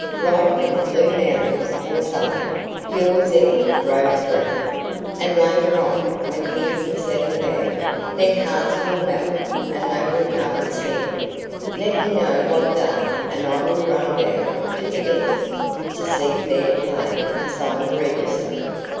Write from the Blue Mountains or somewhere 'Yours ever, Rose Breen.' And later on, when things have settled down, their hearts will melt, and they will come and see you. Let me know what day, and I will run down (to the dentist) to see fair play and sign the register.